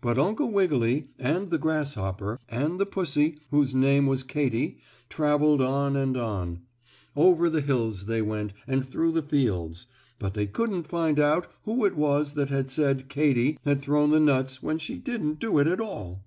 But Uncle Wiggily, and the grasshopper, and the pussy whose name was Katy traveled on and on. Over the hills they went, and through the fields, but they couldn't find out who it was that had said Katy had thrown the nuts when she didn't do it at all.